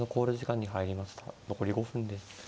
残り５分です。